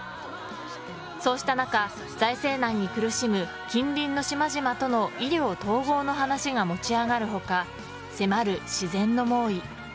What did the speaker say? そうした中、財政難に苦しむ近隣の島々との医療統合の話が持ち上がる中迫る自然の猛威。